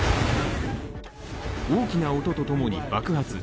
大きな音とともに爆発。